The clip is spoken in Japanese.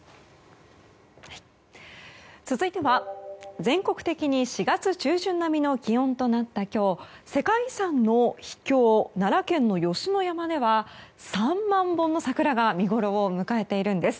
続いては、全国的に４月中旬並みの気温となった今日世界遺産の秘境奈良県の吉野山では３万本の桜が見ごろを迎えているんです。